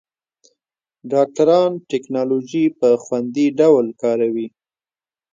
ډاکټران ټېکنالوژي په خوندي ډول کاروي.